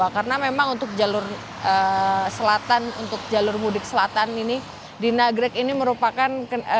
karena memang untuk jalur selatan untuk jalur mudik selatan ini di nagrek ini merupakan